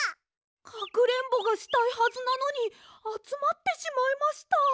かくれんぼがしたいはずなのにあつまってしまいました。